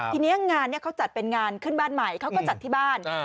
ทีนี้งานเขาจัดเป็นงานขึ้นบ้านใหม่เขาก็จัดที่บ้าน